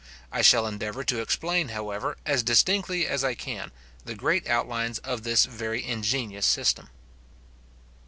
I shall endeavour to explain, however, as distinctly as I can, the great outlines of this very ingenious system.